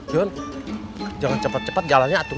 cuman jangan cepat cepat jalannya atur